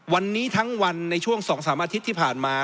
วันนี้ทั้งวันในช่วง๒๓อาทิตย์ที่ผ่านมา